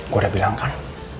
gue udah bilang kan